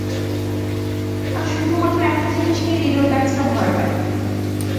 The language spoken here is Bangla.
আর শুধুমাত্র একটা জিনিসকেই রিডলব্যাকসরা ভয় পায়।